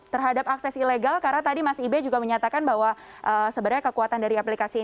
terhadap akses ilegal karena tadi mas ibe juga menyatakan bahwa sebenarnya kekuatan dari aplikasi ini